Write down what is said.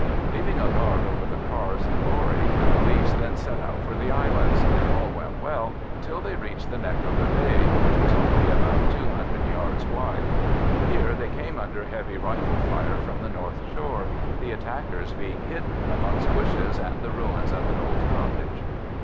Leaving a guard over the cars and lorry, the police then set out for the islands, and all went well until they reached the neck of the bay, which was only about 200 yards wide. Here they came under heavy rifle fire from the north shore, the attackers being hidden amongst bushes and the ruins of an old cottage.